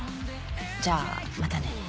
じゃあまたね。